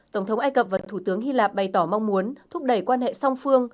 tổng thống ai cập và thủ tướng hy lạp bày tỏ mong muốn thúc đẩy quan hệ song phương